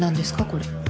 これ。